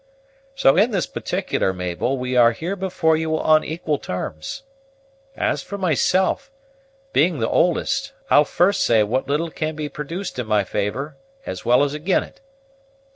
So in this particular, Mabel, we are here before you on equal tarms. As for myself, being the oldest, I'll first say what little can be produced in my favor, as well as ag'in it.